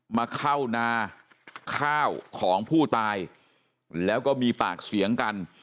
มาเข้านาข้าวของผู้ตายแล้วก็มีปากเสียงกัน